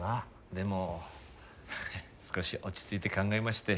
でも少し落ち着いて考えまして。